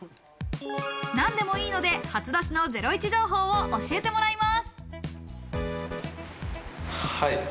何でもいいので初出しのゼロイチ情報を教えてもらいます。